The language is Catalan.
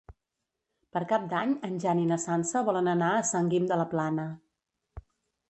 Per Cap d'Any en Jan i na Sança volen anar a Sant Guim de la Plana.